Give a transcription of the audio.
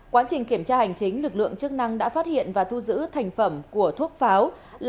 quá trình kiểm tra hành chính lực lượng chức năng đã phát hiện và thu giữ thành phẩm của thuốc pháo là